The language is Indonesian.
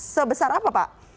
sebesar apa pak